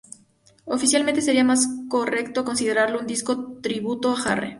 Oficialmente sería más correcto considerarlo un disco "tributo a Jarre".